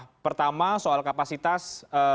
bukan masalah pertama soal kapasitas